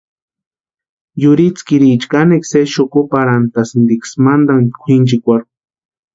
Yurhitskiriicha kanekwa sésï xukuparhantʼasïntiksï matani kwʼinchikwaecharhu.